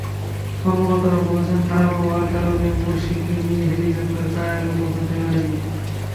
কর্মকর্তারা বলেছেন, খারাপ আবহাওয়ার কারণে মুরসিকে নিয়ে হেলিকপ্টার কায়রো পৌঁছাতে পারেনি।